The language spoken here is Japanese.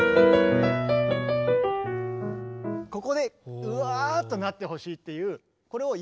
ここでうわっとなってほしいっていう。